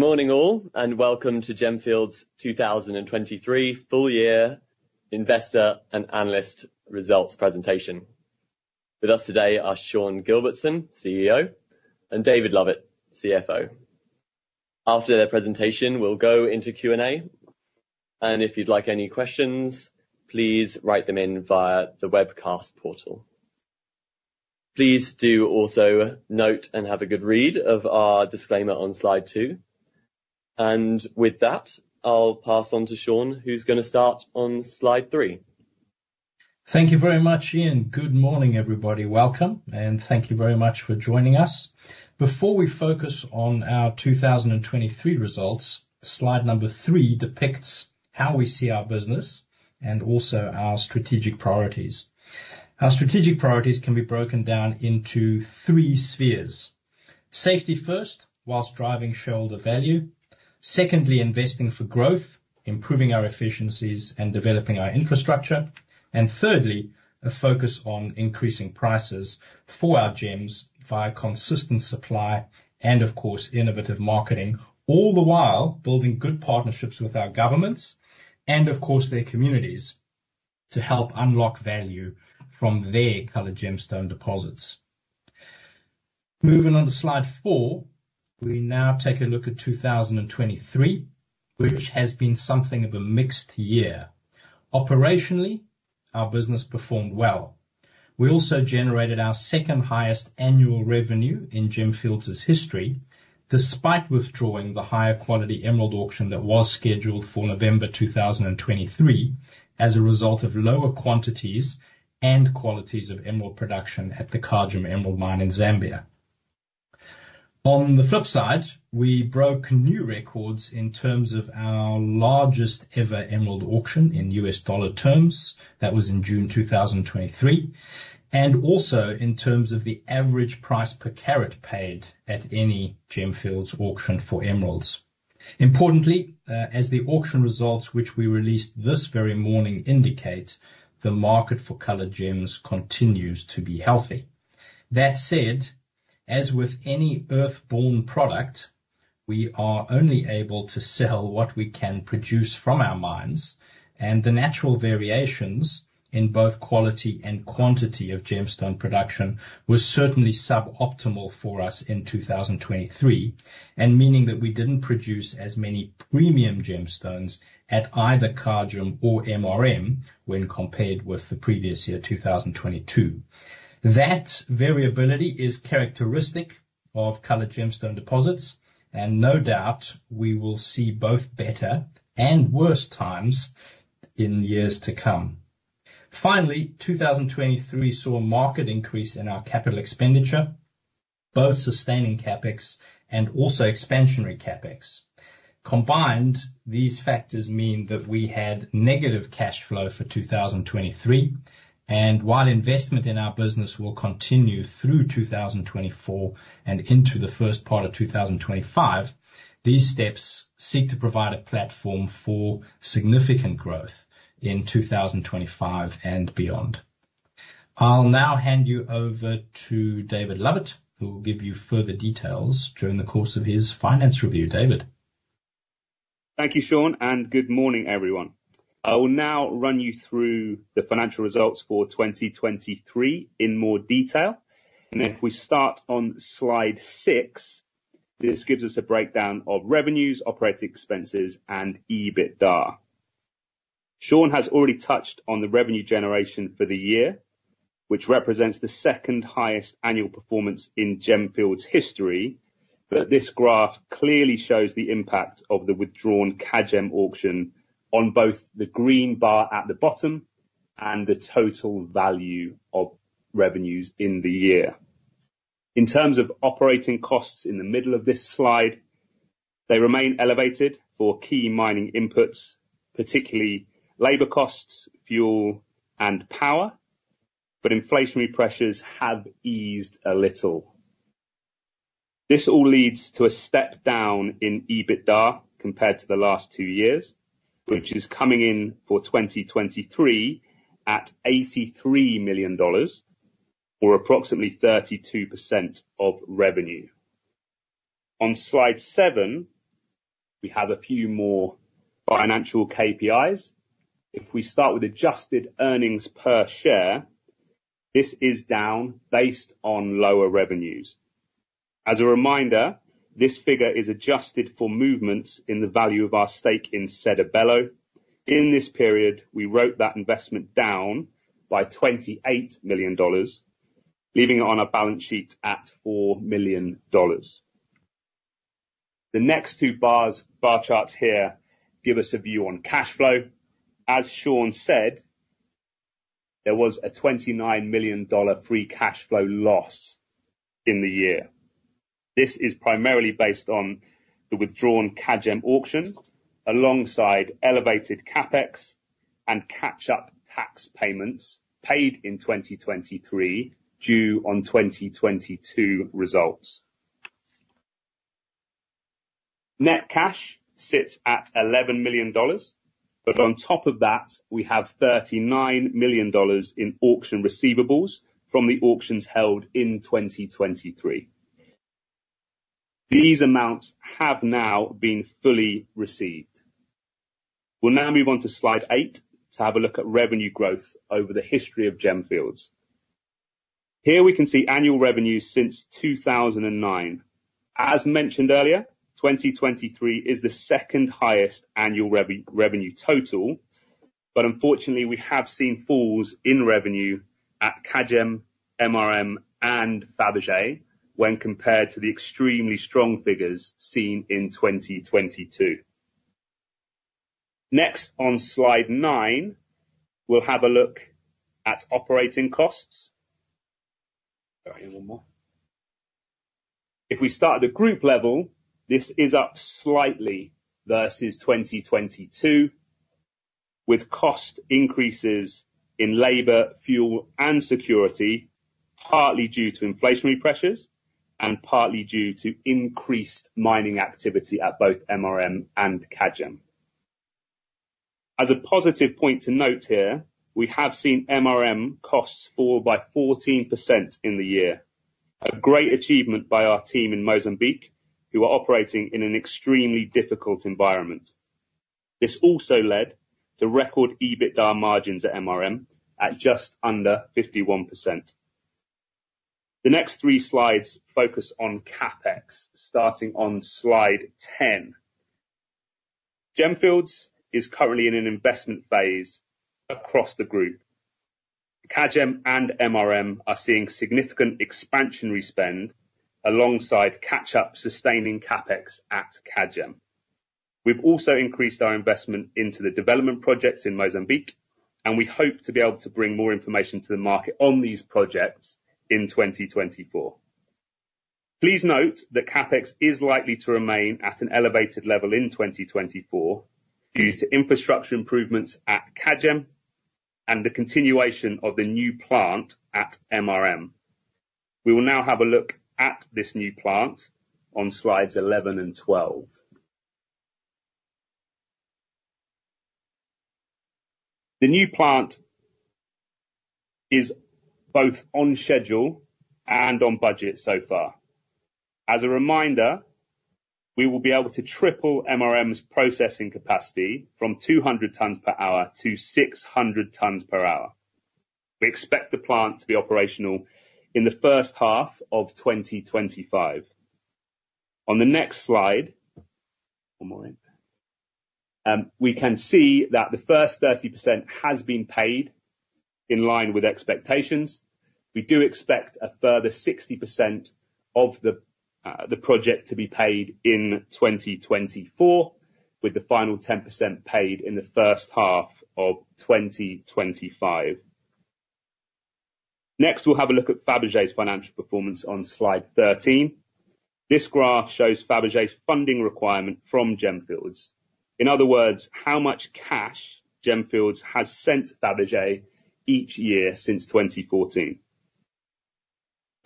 Good morning, all, and welcome to Gemfields' 2023 full year investor and analyst results presentation. With us today are Sean Gilbertson, CEO, and David Lovett, CFO. After their presentation, we'll go into Q&A, and if you'd like any questions, please write them in via the webcast portal. Please do also note and have a good read of our disclaimer on slide two. With that, I'll pass on to Sean, who's gonna start on slide three. Thank you very much, Ian. Good morning, everybody. Welcome, and thank you very much for joining us. Before we focus on our 2023 results, slide number three depicts how we see our business and also our strategic priorities. Our strategic priorities can be broken down into three spheres: safety first, while driving shareholder value; secondly, investing for growth, improving our efficiencies, and developing our infrastructure; and thirdly, a focus on increasing prices for our gems via consistent supply and, of course, innovative marketing, all the while building good partnerships with our governments and, of course, their communities to help unlock value from their colored gemstone deposits. Moving on to slide four, we now take a look at 2023, which has been something of a mixed year. Operationally, our business performed well. We also generated our second highest annual revenue in Gemfields' history, despite withdrawing the higher quality emerald auction that was scheduled for November 2023, as a result of lower quantities and qualities of emerald production at the Kagem emerald mine in Zambia. On the flip side, we broke new records in terms of our largest ever emerald auction in US dollar terms. That was in June 2023, and also in terms of the average price per carat paid at any Gemfields auction for emeralds. Importantly, as the auction results, which we released this very morning indicate, the market for colored gems continues to be healthy. That said, as with any earth-borne product, we are only able to sell what we can produce from our mines, and the natural variations in both quality and quantity of gemstone production was certainly suboptimal for us in 2023, and meaning that we didn't produce as many premium gemstones at either Kagem or MRM when compared with the previous year, 2022. That variability is characteristic of colored gemstone deposits, and no doubt we will see both better and worse times in the years to come. Finally, 2023 saw a market increase in our capital expenditure, both sustaining CapEx and also expansionary CapEx. Combined, these factors mean that we had negative cash flow for 2023, and while investment in our business will continue through 2024 and into the first part of 2025, these steps seek to provide a platform for significant growth in 2025 and beyond. I'll now hand you over to David Lovett, who will give you further details during the course of his finance review. David? Thank you, Sean, and good morning, everyone. I will now run you through the financial results for 2023 in more detail, and if we start on slide six, this gives us a breakdown of revenues, operating expenses, and EBITDA. Sean has already touched on the revenue generation for the year, which represents the second highest annual performance in Gemfields' history, but this graph clearly shows the impact of the withdrawn Kagem auction on both the green bar at the bottom and the total value of revenues in the year. In terms of operating costs in the middle of this slide, they remain elevated for key mining inputs, particularly labor costs, fuel and power, but inflationary pressures have eased a little. This all leads to a step down in EBITDA compared to the last two years, which is coming in for 2023 at $83 million or approximately 32% of revenue. On slide seven, we have a few more financial KPIs. If we start with adjusted earnings per share, this is down based on lower revenues. As a reminder, this figure is adjusted for movements in the value of our stake in Sedibelo. In this period, we wrote that investment down by $28 million, leaving it on our balance sheet at $4 million. The next two bars, bar charts here give us a view on cash flow. As Sean said, there was a $29 million free cash flow loss in the year. This is primarily based on the withdrawn Kagem auction, alongside elevated CapEx and catch-up tax payments paid in 2023, due on 2022 results. Net cash sits at $11 million. But on top of that, we have $39 million in auction receivables from the auctions held in 2023. These amounts have now been fully received. We'll now move on to slide eight to have a look at revenue growth over the history of Gemfields. Here, we can see annual revenue since 2009. As mentioned earlier, 2023 is the second highest annual revenue total, but unfortunately, we have seen falls in revenue at Kagem, MRM, and Fabergé when compared to the extremely strong figures seen in 2022. Next, on slide nine, we'll have a look at operating costs. Go here one more. If we start at the group level, this is up slightly versus 2022, with cost increases in labor, fuel, and security, partly due to inflationary pressures and partly due to increased mining activity at both MRM and Kagem. As a positive point to note here, we have seen MRM costs fall by 14% in the year, a great achievement by our team in Mozambique, who are operating in an extremely difficult environment. This also led to record EBITDA margins at MRM at just under 51%. The next three slides focus on CapEx, starting on slide 10. Gemfields is currently in an investment phase across the group. Kagem and MRM are seeing significant expansionary spend alongside catch-up, sustaining CapEx at Kagem. We've also increased our investment into the development projects in Mozambique, and we hope to be able to bring more information to the market on these projects in 2024. Please note that CapEx is likely to remain at an elevated level in 2024, due to infrastructure improvements at Kagem and the continuation of the new plant at MRM. We will now have a look at this new plant on slides 11 and 12. The new plant is both on schedule and on budget so far. As a reminder, we will be able to triple MRM's processing capacity from 200 tons per hour to 600 tons per hour. We expect the plant to be operational in the first half of 2025. On the next slide, one more, we can see that the first 30% has been paid in line with expectations. We do expect a further 60% of the, the project to be paid in 2024, with the final 10% paid in the first half of 2025. Next, we'll have a look at Fabergé's financial performance on slide 13. This graph shows Fabergé's funding requirement from Gemfields. In other words, how much cash Gemfields has sent Fabergé each year since 2014.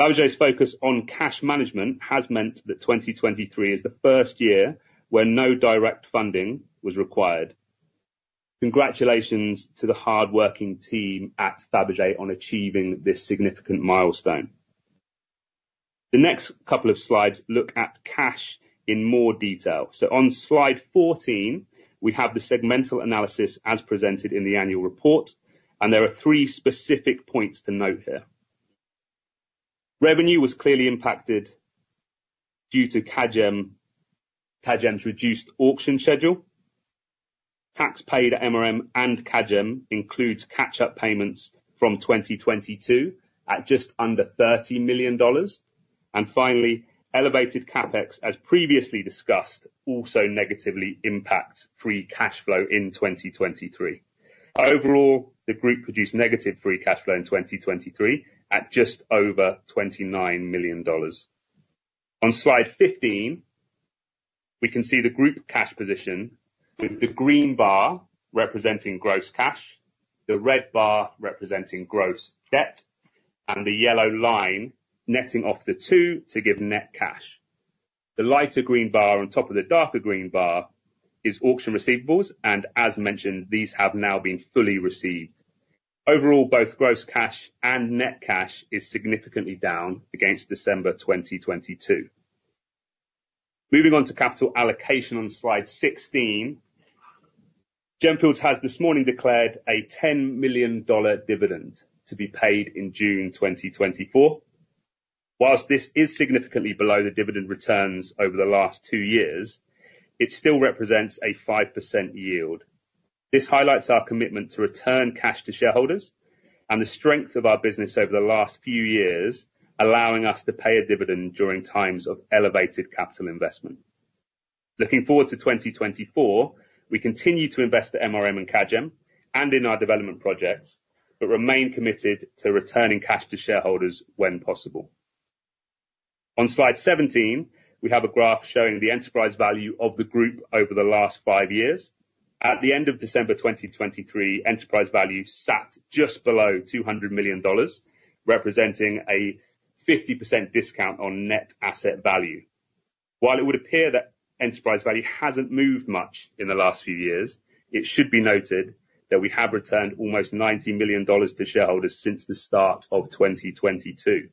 Fabergé's focus on cash management has meant that 2023 is the first year where no direct funding was required. Congratulations to the hardworking team at Fabergé on achieving this significant milestone. The next couple of slides look at cash in more detail. So on slide 14, we have the segmental analysis as presented in the annual report, and there are three specific points to note here. Revenue was clearly impacted due to Kagem's reduced auction schedule. Tax paid at MRM and Kagem includes catch-up payments from 2022 at just under $30 million. And finally, elevated CapEx, as previously discussed, also negatively impacts free cash flow in 2023. Overall, the group produced negative free cash flow in 2023 at just over $29 million. On slide 15, we can see the group cash position, with the green bar representing gross cash, the red bar representing gross debt, and the yellow line netting off the two to give net cash. The lighter green bar on top of the darker green bar is auction receivables, and as mentioned, these have now been fully received. Overall, both gross cash and net cash is significantly down against December 2022. Moving on to capital allocation on slide 16, Gemfields has this morning declared a $10 million dividend to be paid in June 2024. While this is significantly below the dividend returns over the last two years, it still represents a 5% yield. This highlights our commitment to return cash to shareholders and the strength of our business over the last few years, allowing us to pay a dividend during times of elevated capital investment. Looking forward to 2024, we continue to invest at MRM and Kagem and in our development projects, but remain committed to returning cash to shareholders when possible. On slide 17, we have a graph showing the enterprise value of the group over the last five years. At the end of December 2023, enterprise value sat just below $200 million, representing a 50% discount on net asset value. While it would appear that enterprise value hasn't moved much in the last few years, it should be noted that we have returned almost $90 million to shareholders since the start of 2022.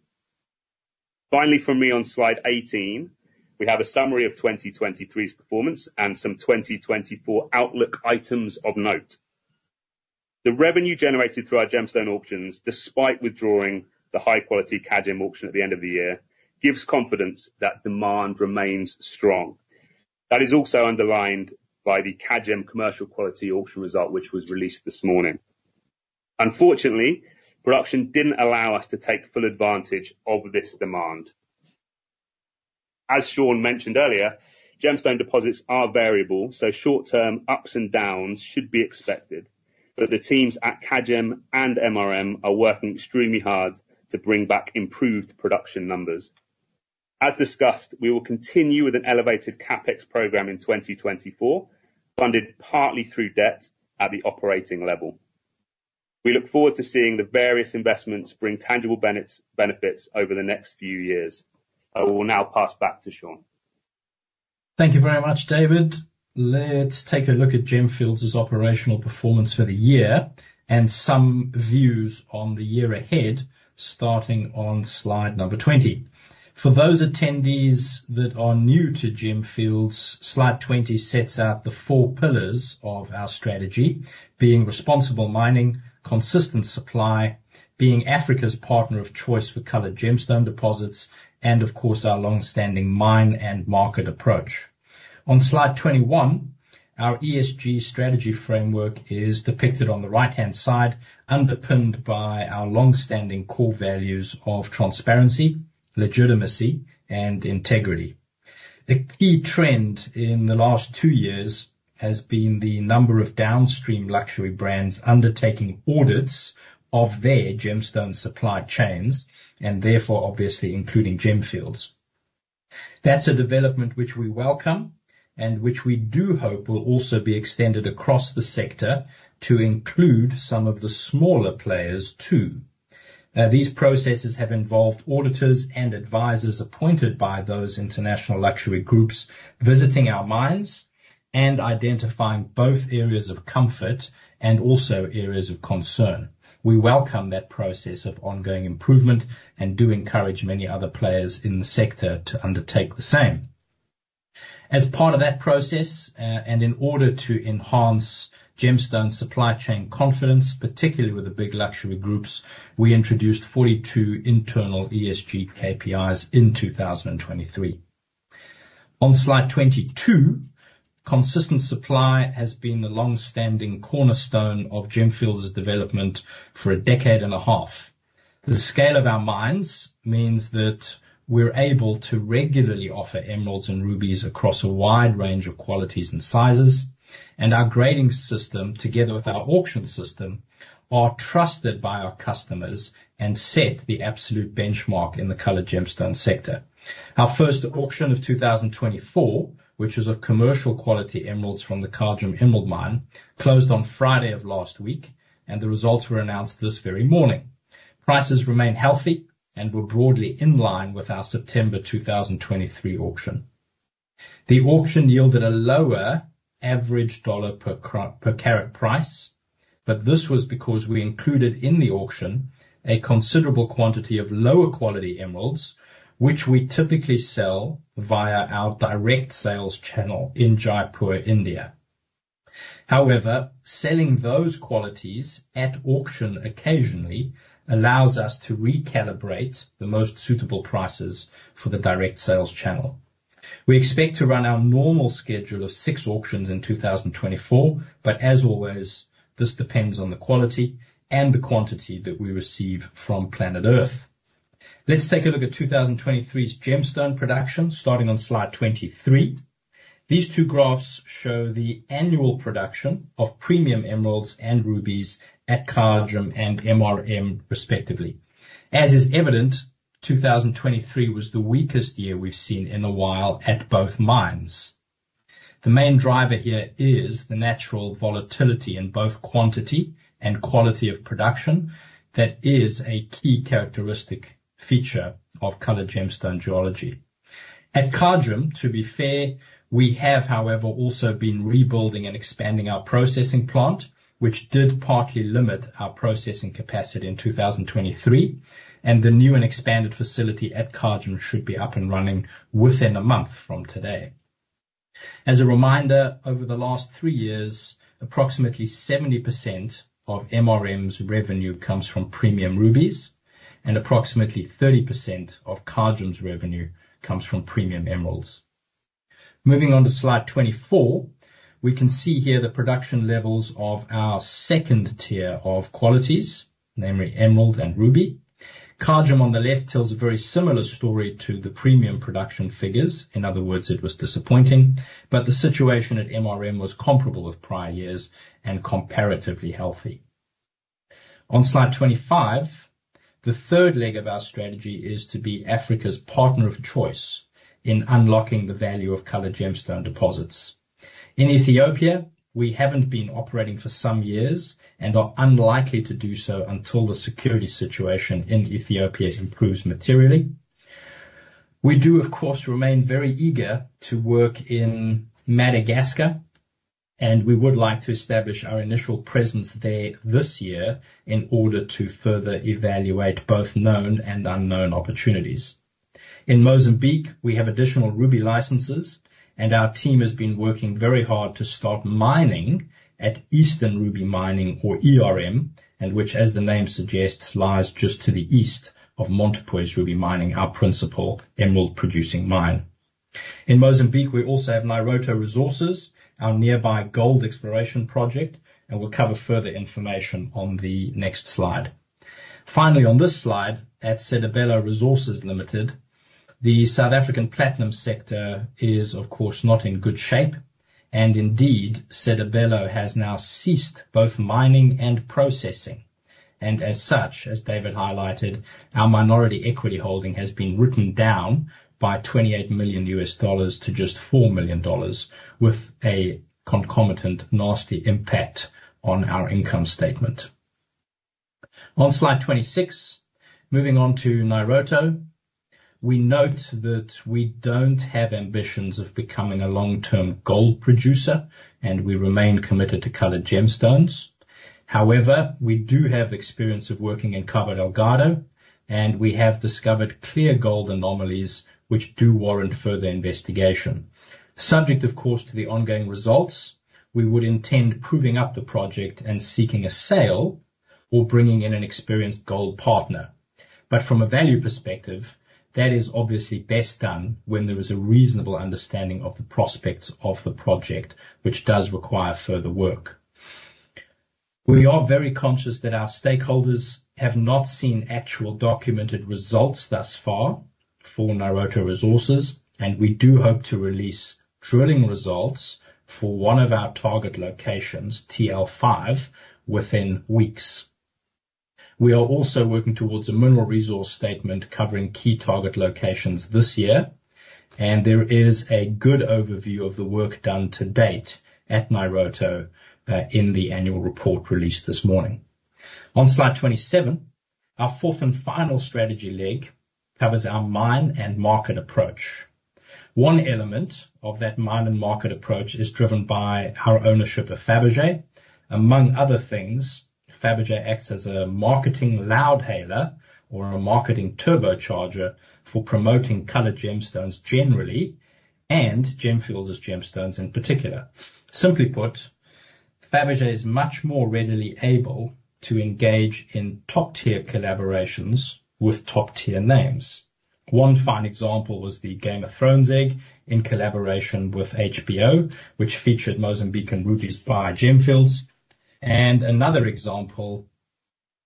Finally, for me, on slide 18, we have a summary of 2023's performance and some 2024 outlook items of note. The revenue generated through our gemstone auctions, despite withdrawing the high-quality Kagem auction at the end of the year, gives confidence that demand remains strong. That is also underlined by the Kagem commercial quality auction result, which was released this morning. Unfortunately, production didn't allow us to take full advantage of this demand. As Sean mentioned earlier, gemstone deposits are variable, so short-term ups and downs should be expected, but the teams at Kagem and MRM are working extremely hard to bring back improved production numbers. As discussed, we will continue with an elevated CapEx program in 2024, funded partly through debt at the operating level. We look forward to seeing the various investments bring tangible benefits over the next few years. I will now pass back to Sean. Thank you very much, David. Let's take a look at Gemfields' operational performance for the year and some views on the year ahead, starting on slide number 20. For those attendees that are new to Gemfields, slide 20 sets out the four pillars of our strategy, being responsible mining, consistent supply, being Africa's partner of choice for colored gemstones deposits, and of course, our long-standing mine and market approach. On slide 21, our ESG strategy framework is depicted on the right-hand side, underpinned by our long-standing core values of transparency, legitimacy, and integrity. The key trend in the last two years has been the number of downstream luxury brands undertaking audits of their gemstone supply chains, and therefore, obviously, including Gemfields. That's a development which we welcome and which we do hope will also be extended across the sector to include some of the smaller players, too. Now, these processes have involved auditors and advisors appointed by those international luxury groups, visiting our mines and identifying both areas of comfort and also areas of concern. We welcome that process of ongoing improvement and do encourage many other players in the sector to undertake the same. As part of that process, and in order to enhance gemstone supply chain confidence, particularly with the big luxury groups, we introduced 42 internal ESG KPIs in 2023. On slide 22, consistent supply has been the long-standing cornerstone of Gemfields' development for a decade and a half. The scale of our mines means that we're able to regularly offer emeralds and rubies across a wide range of qualities and sizes, and our grading system, together with our auction system, are trusted by our customers and set the absolute benchmark in the colored gemstone sector. Our first auction of 2024, which was of commercial quality emeralds from the Kagem emerald mine, closed on Friday of last week, and the results were announced this very morning. Prices remained healthy and were broadly in line with our September 2023 auction. The auction yielded a lower average dollar per carat price, but this was because we included in the auction a considerable quantity of lower quality emeralds, which we typically sell via our direct sales channel in Jaipur, India. However, selling those qualities at auction occasionally allows us to recalibrate the most suitable prices for the direct sales channel. We expect to run our normal schedule of six auctions in 2024, but as always, this depends on the quality and the quantity that we receive from planet Earth. Let's take a look at 2023's gemstone production, starting on slide 23. These two graphs show the annual production of premium emeralds and rubies at Kagem and MRM, respectively. As is evident, 2023 was the weakest year we've seen in a while at both mines. The main driver here is the natural volatility in both quantity and quality of production. That is a key characteristic feature of colored gemstone geology. At Kagem, to be fair, we have, however, also been rebuilding and expanding our processing plant, which did partly limit our processing capacity in 2023, and the new and expanded facility at Kagem should be up and running within a month from today. As a reminder, over the last three years, approximately 70% of MRM's revenue comes from premium rubies and approximately 30% of Kagem's revenue comes from premium emeralds. Moving on to slide 24, we can see here the production levels of our second tier of qualities, namely emerald and ruby. Kagem, on the left, tells a very similar story to the premium production figures. In other words, it was disappointing, but the situation at MRM was comparable with prior years and comparatively healthy. On slide 25, the third leg of our strategy is to be Africa's partner of choice in unlocking the value of colored gemstone deposits. In Ethiopia, we haven't been operating for some years and are unlikely to do so until the security situation in Ethiopia improves materially. We do, of course, remain very eager to work in Madagascar... and we would like to establish our initial presence there this year in order to further evaluate both known and unknown opportunities. In Mozambique, we have additional ruby licenses, and our team has been working very hard to start mining at Eastern Ruby Mining, or ERM, and which, as the name suggests, lies just to the east of Montepuez Ruby Mining, our principal emerald-producing mine. In Mozambique, we also have Nairoto Resources, our nearby gold exploration project, and we'll cover further information on the next slide. Finally, on this slide, at Sedibelo Resources Limited, the South African platinum sector is, of course, not in good shape, and indeed, Sedibelo has now ceased both mining and processing. And as such, as David highlighted, our minority equity holding has been written down by $28 million to just $4 million, with a concomitant nasty impact on our income statement. On slide 26, moving on to Nairoto, we note that we don't have ambitions of becoming a long-term gold producer, and we remain committed to colored gemstones. However, we do have experience of working in Cabo Delgado, and we have discovered clear gold anomalies which do warrant further investigation. Subject, of course, to the ongoing results, we would intend proving up the project and seeking a sale or bringing in an experienced gold partner. But from a value perspective, that is obviously best done when there is a reasonable understanding of the prospects of the project, which does require further work. We are very conscious that our stakeholders have not seen actual documented results thus far for Nairoto Resources, and we do hope to release drilling results for one of our target locations, TL5, within weeks. We are also working towards a mineral resource statement covering key target locations this year, and there is a good overview of the work done to date at Nairoto in the annual report released this morning. On slide 27, our fourth and final strategy leg covers our mine and market approach. One element of that mine and market approach is driven by our ownership of Fabergé. Among other things, Fabergé acts as a marketing loudhailer or a marketing turbocharger for promoting colored gemstones generally, and Gemfields' gemstones in particular. Simply put, Fabergé is much more readily able to engage in top-tier collaborations with top-tier names. One fine example was the Game of Thrones egg in collaboration with HBO, which featured Mozambican rubies by Gemfields. Another example,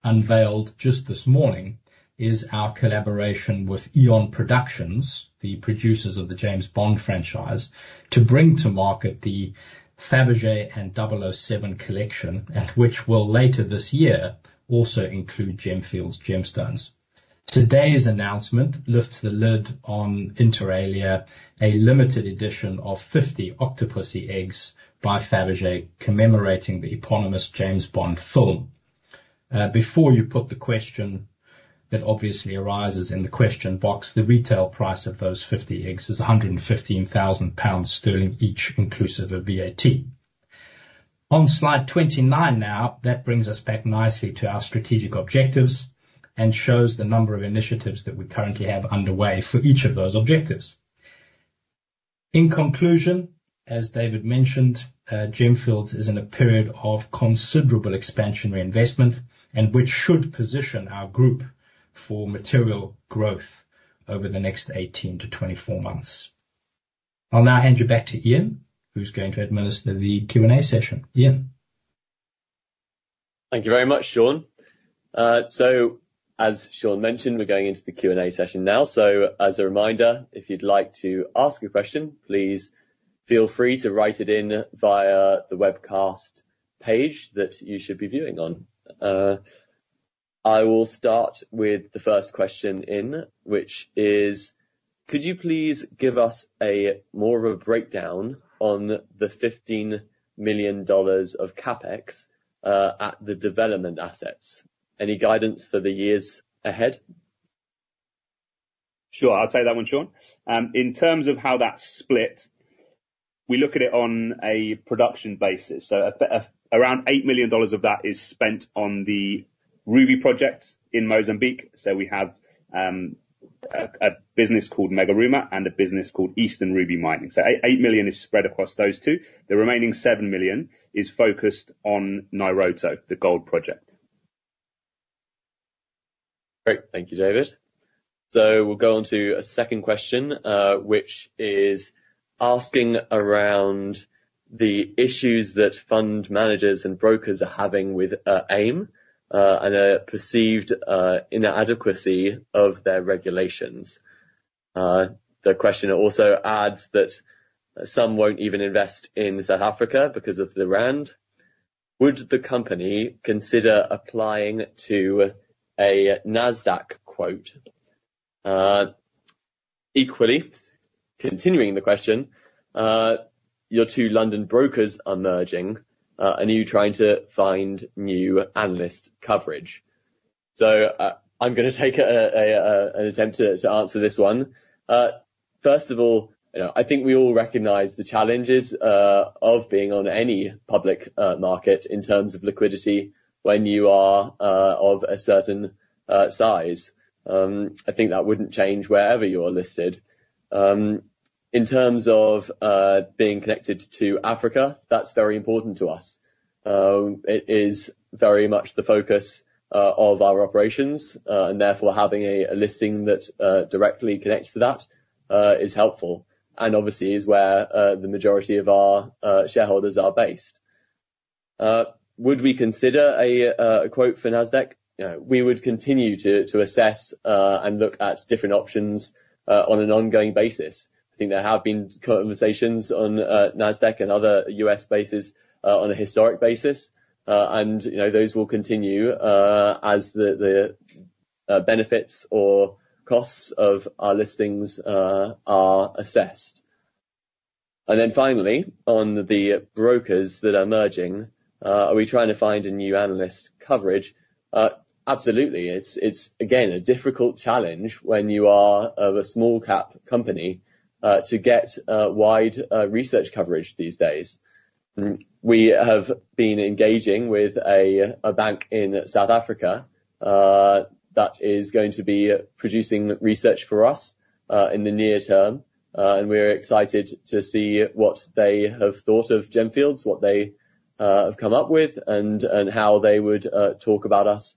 unveiled just this morning, is our collaboration with EON Productions, the producers of the James Bond franchise, to bring to market the Fabergé and 007 collection, at which will, later this year, also include Gemfields gemstones. Today's announcement lifts the lid on, inter alia, a limited edition of 50 Octopussy eggs by Fabergé, commemorating the eponymous James Bond film. Before you put the question that obviously arises in the question box, the retail price of those 50 eggs is 115,000 pounds each, inclusive of VAT. On slide 29 now, that brings us back nicely to our strategic objectives and shows the number of initiatives that we currently have underway for each of those objectives. In conclusion, as David mentioned, Gemfields is in a period of considerable expansionary investment, and which should position our group for material growth over the next 18-24 months. I'll now hand you back to Ian, who's going to administer the Q&A session. Ian? Thank you very much, Sean. So as Sean mentioned, we're going into the Q&A session now. So as a reminder, if you'd like to ask a question, please feel free to write it in via the webcast page that you should be viewing on. I will start with the first question in, which is: Could you please give us a more of a breakdown on the $15 million of CapEx at the development assets? Any guidance for the years ahead? Sure, I'll take that one, Sean. In terms of how that's split, we look at it on a production basis. So around $8 million of that is spent on the Ruby project in Mozambique. So we have a business called Megaruma and a business called Eastern Ruby Mining. So $8 million is spread across those two. The remaining $7 million is focused on Nairoto, the gold project. Great. Thank you, David. So we'll go on to a second question, which is asking around the issues that fund managers and brokers are having with AIM, and a perceived inadequacy of their regulations. The question also adds that some won't even invest in South Africa because of the rand. Would the company consider applying to a NASDAQ quote? Equally, continuing the question, your two London brokers are merging, and are you trying to find new analyst coverage? So, I'm gonna take an attempt to answer this one. First of all, you know, I think we all recognize the challenges of being on any public market in terms of liquidity when you are of a certain size. I think that wouldn't change wherever you're listed. In terms of being connected to Africa, that's very important to us. It is very much the focus of our operations and therefore, having a listing that directly connects to that is helpful, and obviously, is where the majority of our shareholders are based. Would we consider a quote for NASDAQ? You know, we would continue to assess and look at different options on an ongoing basis. I think there have been conversations on NASDAQ and other U.S. bases on a historic basis. And you know, those will continue as the benefits or costs of our listings are assessed. And then finally, on the brokers that are merging, are we trying to find a new analyst coverage? Absolutely. It's again a difficult challenge when you are of a small cap company to get wide research coverage these days. We have been engaging with a bank in South Africa that is going to be producing research for us in the near term. And we're excited to see what they have thought of Gemfields, what they have come up with, and how they would talk about us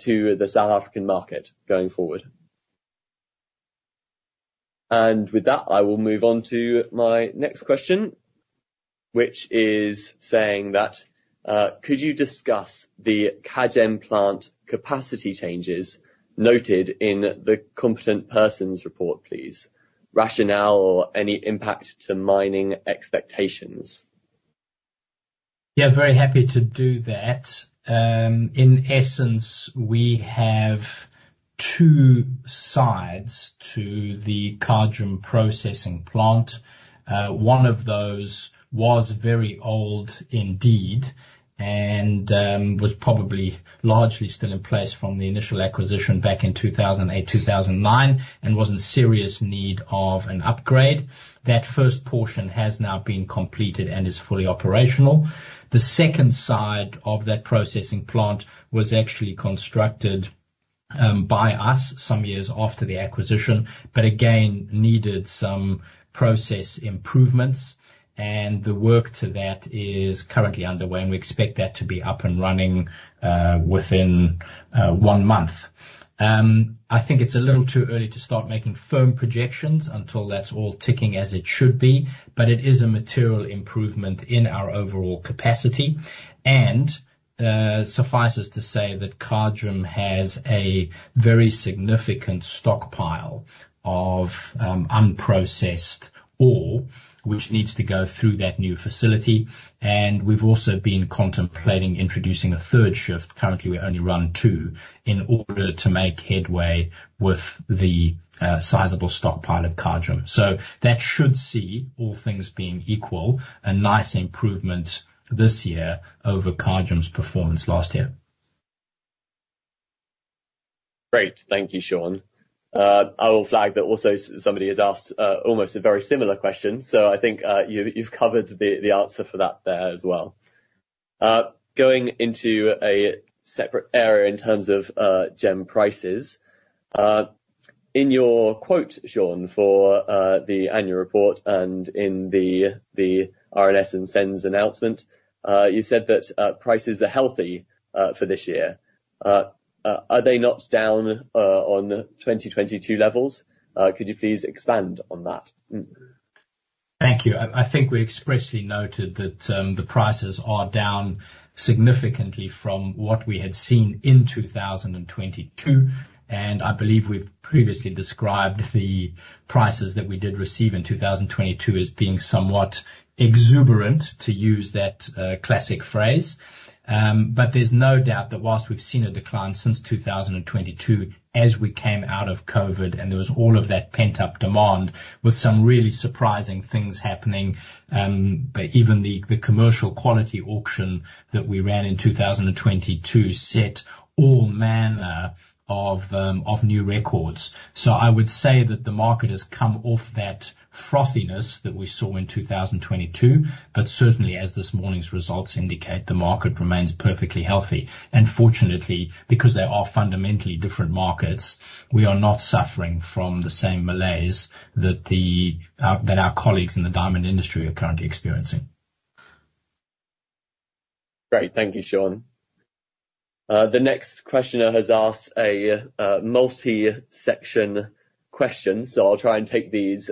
to the South African market going forward. With that, I will move on to my next question, which is saying that: Could you discuss the Kagem plant capacity changes noted in the Competent Person's Report, please? Rationale or any impact to mining expectations. Yeah, very happy to do that. In essence, we have two sides to the Kagem processing plant. One of those was very old indeed, and was probably largely still in place from the initial acquisition back in 2008, 2009, and was in serious need of an upgrade. That first portion has now been completed and is fully operational. The second side of that processing plant was actually constructed by us some years after the acquisition, but again, needed some process improvements, and the work to that is currently underway, and we expect that to be up and running within 1 month. I think it's a little too early to start making firm projections until that's all ticking as it should be, but it is a material improvement in our overall capacity. Suffices to say that Kagem has a very significant stockpile of unprocessed ore, which needs to go through that new facility, and we've also been contemplating introducing a third shift. Currently, we only run two, in order to make headway with the sizable stockpile of Kagem. So that should see all things being equal, a nice improvement this year over Kagem's performance last year. Great. Thank you, Sean. I will flag that also somebody has asked almost a very similar question, so I think you've covered the answer for that there as well. Going into a separate area in terms of gem prices, in your quote, Sean, for the annual report and in the RNS and SENS announcement, you said that prices are healthy for this year. Are they not down on the 2022 levels? Could you please expand on that? Thank you. I think we expressly noted that, the prices are down significantly from what we had seen in 2022, and I believe we've previously described the prices that we did receive in 2022 as being somewhat exuberant, to use that classic phrase. But there's no doubt that whilst we've seen a decline since 2022, as we came out of COVID, and there was all of that pent-up demand with some really surprising things happening, but even the Commercial Quality Auction that we ran in 2022 set all manner of new records. So I would say that the market has come off that frothiness that we saw in 2022, but certainly, as this morning's results indicate, the market remains perfectly healthy. Fortunately, because they are fundamentally different markets, we are not suffering from the same malaise that our colleagues in the diamond industry are currently experiencing. Great. Thank you, Sean. The next questioner has asked a multi-section question, so I'll try and take these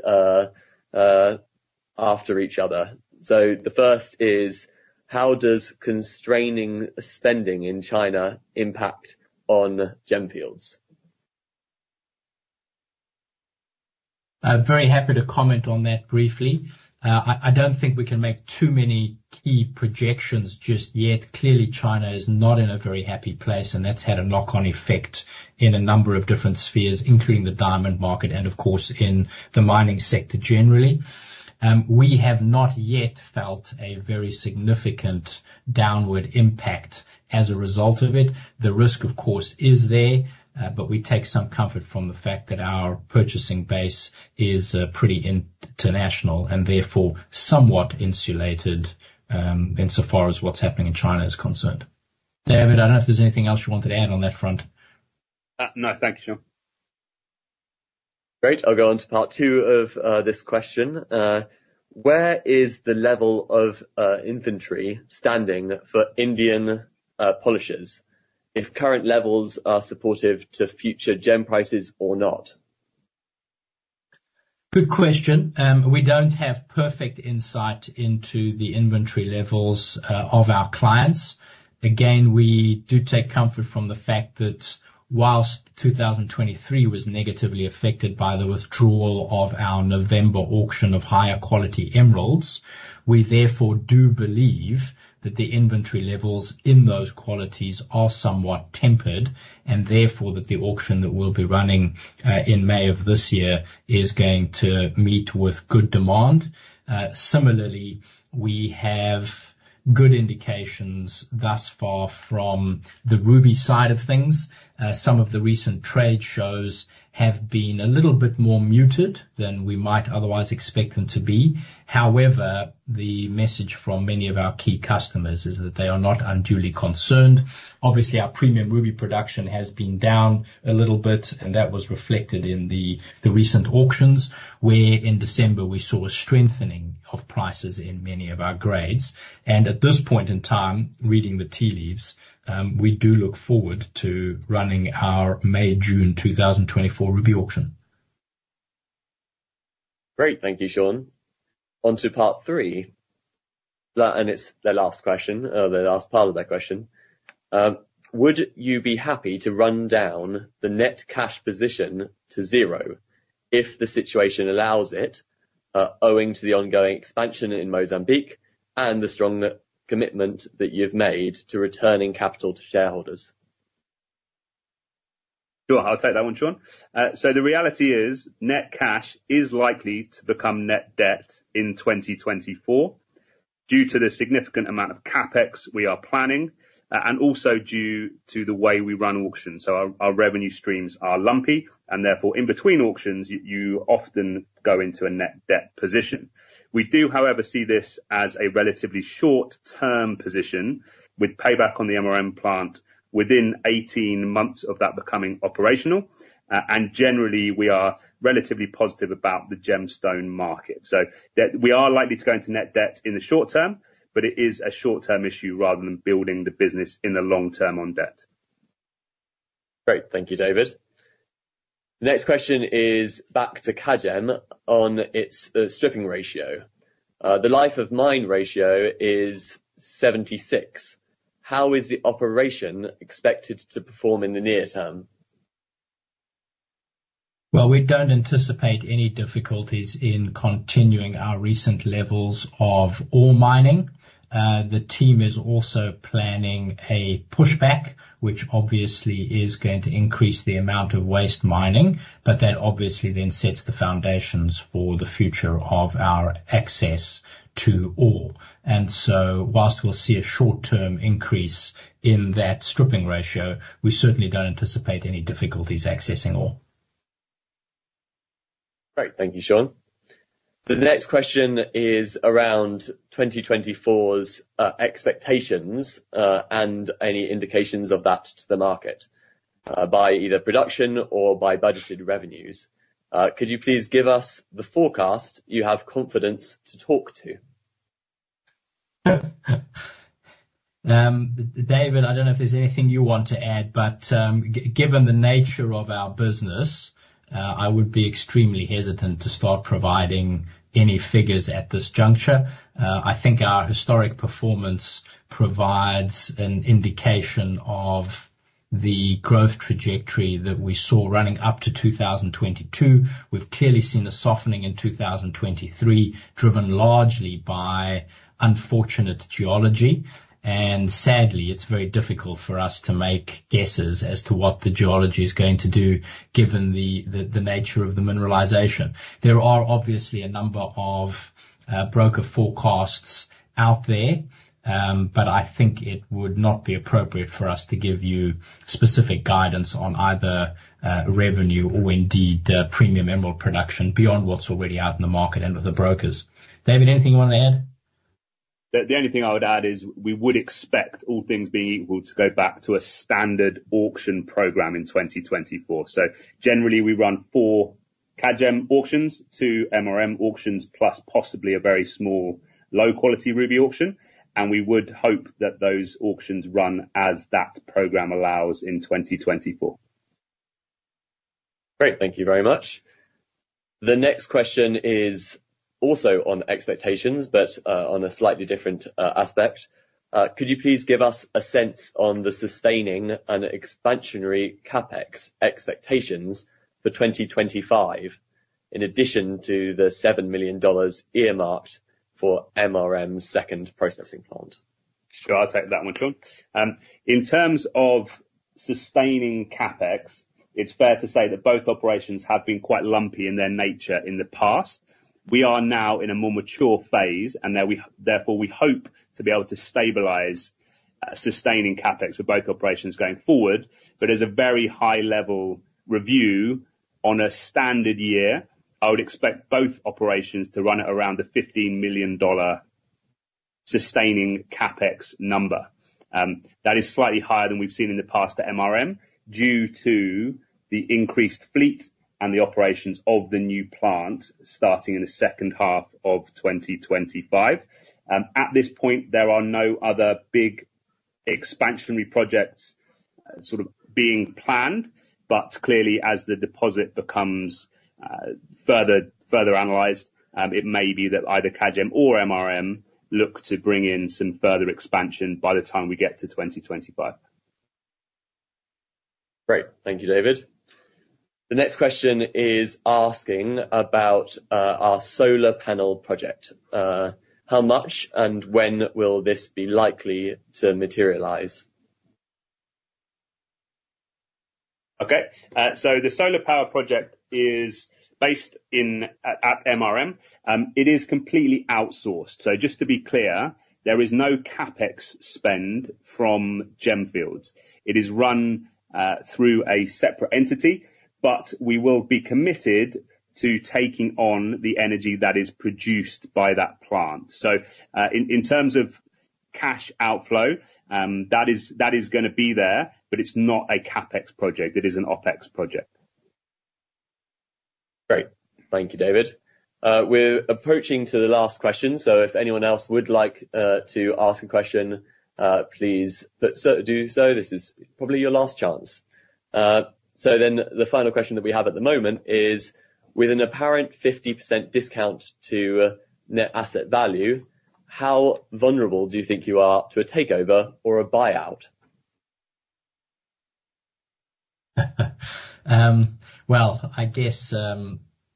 after each other. So the first is: How does constraining spending in China impact on Gemfields? I'm very happy to comment on that briefly. I don't think we can make too many key projections just yet. Clearly, China is not in a very happy place, and that's had a knock-on effect in a number of different spheres, including the diamond market and, of course, in the mining sector generally. We have not yet felt a very significant downward impact as a result of it. The risk, of course, is there, but we take some comfort from the fact that our purchasing base is pretty international and therefore somewhat insulated, insofar as what's happening in China is concerned. David, I don't know if there's anything else you wanted to add on that front. No, thank you, Sean. Great. I'll go on to part two of this question. Where is the level of inventory standing for Indian polishers, if current levels are supportive to future gem prices or not? Good question. We don't have perfect insight into the inventory levels of our clients. Again, we do take comfort from the fact that while 2023 was negatively affected by the withdrawal of our November auction of higher quality emeralds, we therefore do believe that the inventory levels in those qualities are somewhat tempered, and therefore, that the auction that we'll be running in May of this year is going to meet with good demand. Similarly, we have good indications thus far from the ruby side of things. Some of the recent trade shows have been a little bit more muted than we might otherwise expect them to be. However, the message from many of our key customers is that they are not unduly concerned. Obviously, our premium ruby production has been down a little bit, and that was reflected in the recent auctions, where in December, we saw a strengthening of prices in many of our grades. At this point in time, reading the tea leaves, we do look forward to running our May, June 2024 ruby auction. Great, thank you, Sean. On to part three, and it's the last question, or the last part of that question. Would you be happy to run down the net cash position to zero if the situation allows it, owing to the ongoing expansion in Mozambique and the strong commitment that you've made to returning capital to shareholders? Sure. I'll take that one, Sean. So the reality is, net cash is likely to become net debt in 2024 due to the significant amount of CapEx we are planning, and also due to the way we run auctions. So our, our revenue streams are lumpy, and therefore, in between auctions, you often go into a net debt position. We do, however, see this as a relatively short-term position, with payback on the MRM plant within 18 months of that becoming operational. And generally, we are relatively positive about the gemstone market. So that we are likely to go into net debt in the short term, but it is a short-term issue rather than building the business in the long term on debt. Great. Thank you, David. Next question is back to Kagem on its stripping ratio. The life of mine ratio is 76. How is the operation expected to perform in the near term? Well, we don't anticipate any difficulties in continuing our recent levels of ore mining. The team is also planning a pushback, which obviously is going to increase the amount of waste mining, but that obviously then sets the foundations for the future of our access to ore. And so while we'll see a short-term increase in that stripping ratio, we certainly don't anticipate any difficulties accessing ore. Great. Thank you, Sean. The next question is around 2024's expectations, and any indications of that to the market, by either production or by budgeted revenues. Could you please give us the forecast you have confidence to talk to? David, I don't know if there's anything you want to add, but, given the nature of our business, I would be extremely hesitant to start providing any figures at this juncture. I think our historic performance provides an indication of the growth trajectory that we saw running up to 2022. We've clearly seen a softening in 2023, driven largely by unfortunate geology, and sadly, it's very difficult for us to make guesses as to what the geology is going to do, given the nature of the mineralization. There are obviously a number of broker forecasts out there, but I think it would not be appropriate for us to give you specific guidance on either revenue or indeed premium emerald production beyond what's already out in the market and with the brokers. David, anything you want to add? The only thing I would add is we would expect all things being equal, to go back to a standard auction program in 2024. So generally, we run four Kagem auctions, two MRM auctions, plus possibly a very small, low-quality ruby auction, and we would hope that those auctions run as that program allows in 2024. Great. Thank you very much. The next question is also on expectations, but, on a slightly different aspect. Could you please give us a sense on the sustaining and expansionary CapEx expectations for 2025, in addition to the $7 million earmarked for MRM's second processing plant?... Sure, I'll take that one, Sean. In terms of sustaining CapEx, it's fair to say that both operations have been quite lumpy in their nature in the past. We are now in a more mature phase, therefore, we hope to be able to stabilize sustaining CapEx with both operations going forward. But as a very high level review, on a standard year, I would expect both operations to run at around a $15 million sustaining CapEx number. That is slightly higher than we've seen in the past at MRM, due to the increased fleet and the operations of the new plant, starting in the second half of 2025. At this point, there are no other big expansionary projects sort of being planned, but clearly, as the deposit becomes further analyzed, it may be that either Kagem or MRM look to bring in some further expansion by the time we get to 2025. Great. Thank you, David. The next question is asking about our solar panel project. How much, and when will this be likely to materialize? Okay. So the solar power project is based in at MRM. It is completely outsourced. So just to be clear, there is no CapEx spend from Gemfields. It is run through a separate entity, but we will be committed to taking on the energy that is produced by that plant. So, in terms of cash outflow, that is gonna be there, but it's not a CapEx project. It is an OpEx project. Great, thank you, David. We're approaching to the last question, so if anyone else would like to ask a question, please, but so- do so. This is probably your last chance. So then the final question that we have at the moment is: with an apparent 50% discount to net asset value, how vulnerable do you think you are to a takeover or a buyout? Well, I guess,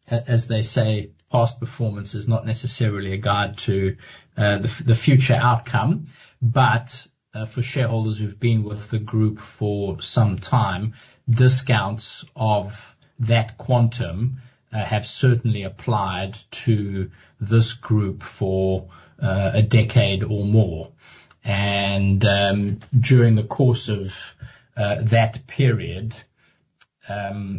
as they say, past performance is not necessarily a guide to the future outcome, but for shareholders who've been with the group for some time, discounts of that quantum have certainly applied to this group for a decade or more. And during the course of that period,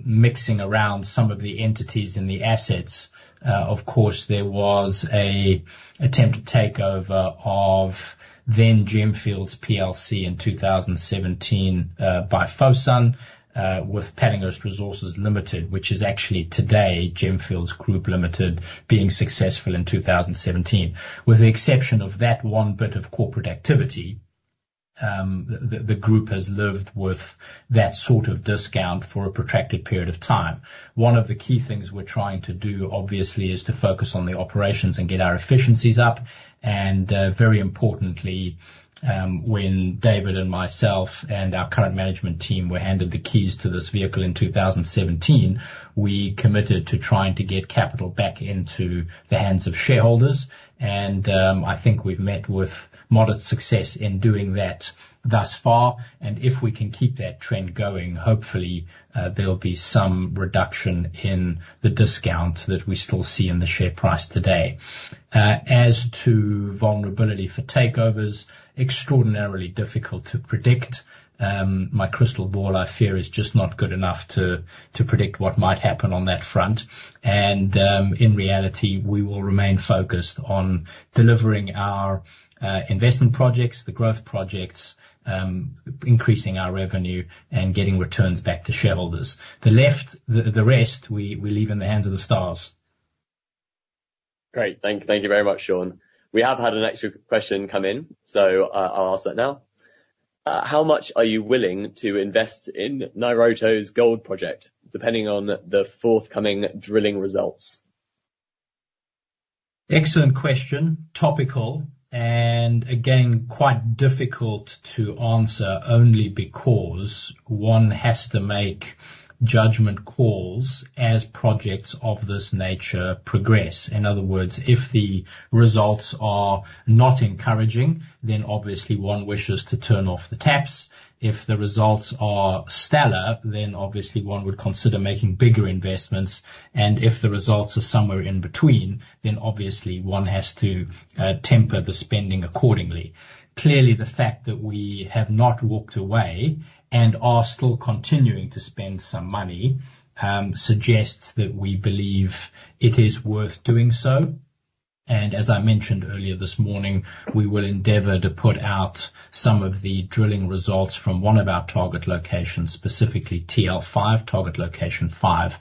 mixing around some of the entities and the assets, of course, there was an attempted takeover of then Gemfields PLC in 2017 by Fosun with Pallinghurst Resources Limited, which is actually today Gemfields Group Limited, being successful in 2017. With the exception of that one bit of corporate activity, the group has lived with that sort of discount for a protracted period of time. One of the key things we're trying to do, obviously, is to focus on the operations and get our efficiencies up. And, very importantly, when David and myself, and our current management team were handed the keys to this vehicle in 2017, we committed to trying to get capital back into the hands of shareholders, and, I think we've met with modest success in doing that thus far. And if we can keep that trend going, hopefully, there'll be some reduction in the discount that we still see in the share price today. As to vulnerability for takeovers, extraordinarily difficult to predict. My crystal ball, I fear, is just not good enough to predict what might happen on that front. In reality, we will remain focused on delivering our investment projects, the growth projects, increasing our revenue, and getting returns back to shareholders. The rest, we leave in the hands of the stars. Great. Thank you very much, Sean. We have had an extra question come in, so, I'll ask that now. How much are you willing to invest in Nairoto's gold project, depending on the forthcoming drilling results? Excellent question, topical, and again, quite difficult to answer, only because one has to make judgment calls as projects of this nature progress. In other words, if the results are not encouraging, then obviously one wishes to turn off the taps. If the results are stellar, then obviously one would consider making bigger investments, and if the results are somewhere in between, then obviously one has to temper the spending accordingly. Clearly, the fact that we have not walked away and are still continuing to spend some money suggests that we believe it is worth doing so. And as I mentioned earlier this morning, we will endeavor to put out some of the drilling results from one of our target locations, specifically TL5, Target Location Five,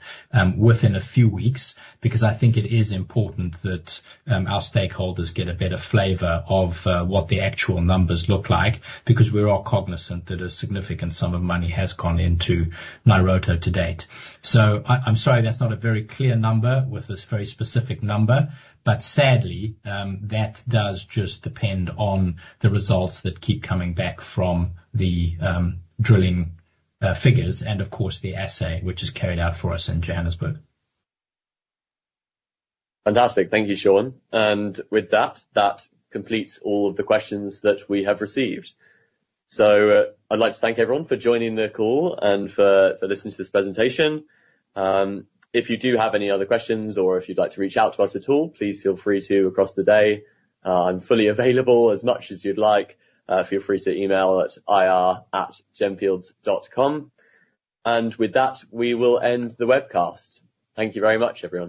within a few weeks, because I think it is important that our stakeholders get a better flavor of what the actual numbers look like, because we're all cognizant that a significant sum of money has gone into Nairoto to date. So I, I'm sorry, that's not a very clear number, with this very specific number, but sadly, that does just depend on the results that keep coming back from the drilling figures, and of course, the assay, which is carried out for us in Johannesburg. Fantastic. Thank you, Sean. And with that, that completes all of the questions that we have received. So, I'd like to thank everyone for joining the call and for listening to this presentation. If you do have any other questions, or if you'd like to reach out to us at all, please feel free to across the day. I'm fully available as much as you'd like. Feel free to email at ir@gemfields.com. And with that, we will end the webcast. Thank you very much, everyone.